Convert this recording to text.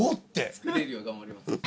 作れるよう頑張ります。